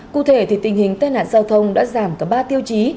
cụ thể tình hình tên hạn giao thông đã giảm cả ba tiêu chí